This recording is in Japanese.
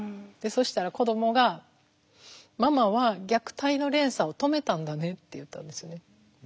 そしたら子どもが「ママは虐待の連鎖を止めたんだね」って言ったんですよね。